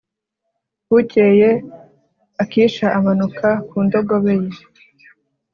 bukeye, akisha amanuka ku ndogobe ye